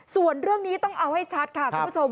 ส่วนเรื่องนี้ต้องเอาให้ชัดค่ะคุณผู้ชม